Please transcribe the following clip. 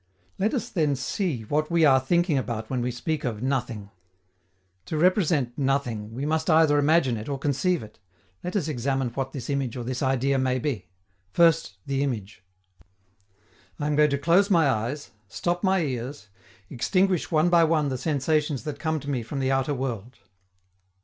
Let us then see what we are thinking about when we speak of "Nothing." To represent "Nothing," we must either imagine it or conceive it. Let us examine what this image or this idea may be. First, the image. I am going to close my eyes, stop my ears, extinguish one by one the sensations that come to me from the outer world.